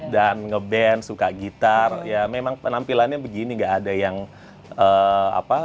dan nge band suka gitar ya memang penampilannya begini nggak ada yang apa apa